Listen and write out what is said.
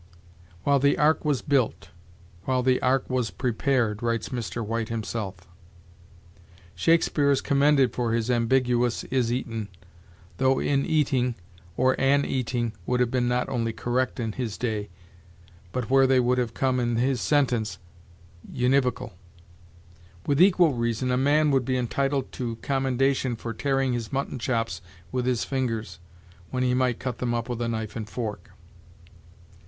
'While the ark was built,' 'while the ark was prepared,' writes Mr. White himself. Shakespeare is commended for his ambiguous is eaten, though in eating or an eating would have been not only correct in his day, but, where they would have come in his sentence, univocal. With equal reason a man would be entitled to commendation for tearing his mutton chops with his fingers, when he might cut them up with a knife and fork.